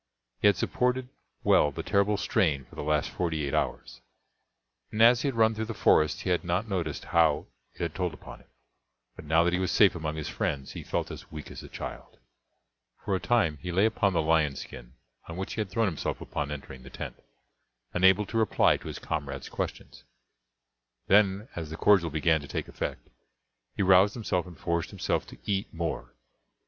He had supported well the terrible strain for the last forty eight hours, and as he had run through the forest he had not noticed how it had told upon him; but now that he was safe among his friends he felt as weak as a child. For a time he lay upon the lion skin on which he had thrown himself upon entering the tent, unable to reply to his comrades' questions. Then, as the cordial began to take effect, he roused himself and forced himself to eat more.